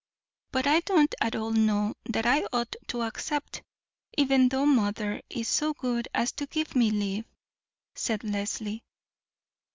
"But I don't at all know that I ought to accept, even though mother is so good as to give me leave," said Leslie.